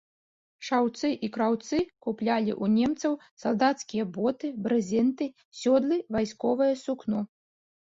Шаўцы і краўцы куплялі ў немцаў салдацкія боты, брызенты, сёдлы, вайсковае сукно.